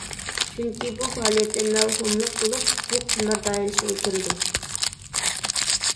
چۈنكى بۇ پائالىيەتتە مەۋھۇملۇق بولۇپ، بۇ قىمار دائىرىسىگە كىرىدۇ.